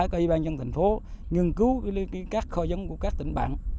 có yên bàn dân thành phố nghiên cứu các kho dân của các tỉnh bản